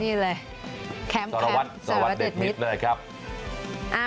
นี่เลยแคมป์แคมป์สารวัตน์เด็ดมิตร